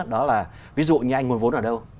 đó là ví dụ như anh nguồn vốn ở đâu